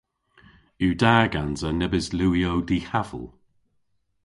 Yw da gansa nebes liwyow dihaval?